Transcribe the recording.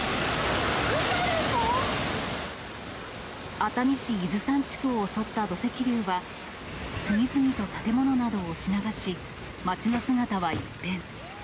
熱海市伊豆山地区を襲った土石流は、次々と建物などを押し流し、町の姿は一変。